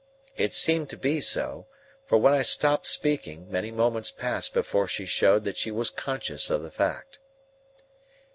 It seemed to be so; for, when I stopped speaking, many moments passed before she showed that she was conscious of the fact.